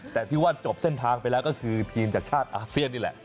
แต่ที่ว่าจบเส้นทางไปแล้วก็คือทีมจากชาติอาเซียนนี่แหละ